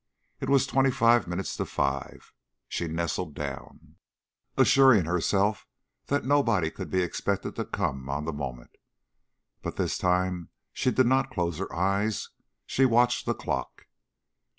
It was twenty five minutes to five. She nestled down, assuring herself that nobody could be expected to come on the moment, but this time she did not close her eyes; she watched the clock.